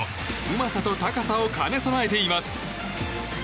うまさと高さを兼ね備えています。